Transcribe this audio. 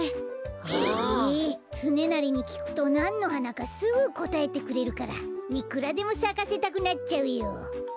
へえつねなりにきくとなんのはなかすぐこたえてくれるからいくらでもさかせたくなっちゃうよ。